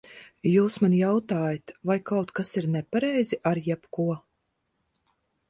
Jūs man jautājat, vai kaut kas ir nepareizi ar jebko?